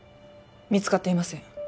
見つかっていません